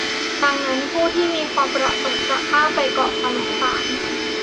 ดังนั้นผู้ที่มีความประสงค์จะข้ามไปเกาะแสมสาร